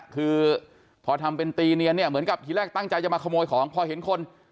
คือพอทำเป็นตีเนียนเนี่ยเหมือนกับทีแรกตั้งใจจะมาขโมยของพอเห็นคน